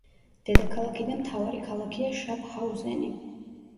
დედაქალაქი და მთავარი ქალაქია შაფჰაუზენი.